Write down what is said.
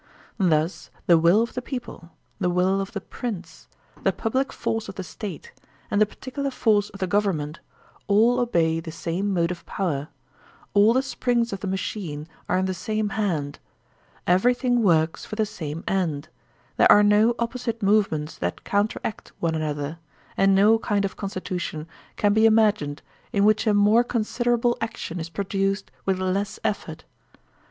Thus the will of the people, the will of the Prince, the public force of the State, and the particular force of the government, all obey the same motive power; all the springs of the machine are in the same hand, every thing works for the same end; there are no opposite movements that counteract one another, and no kind of constitution can be imagined in which a more considera ble action is produced with less effort.